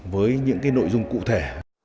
với những nội dung cụ thể